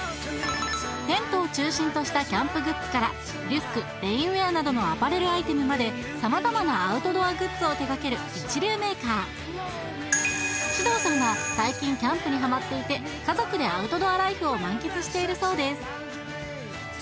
テントを中心としたキャンプグッズからリュックレインウェアなどのアパレルアイテムまで様々なアウトドアグッズを手がける一流メーカー獅童さんは最近キャンプにハマっていて家族でアウトドアライフを満喫しているそうです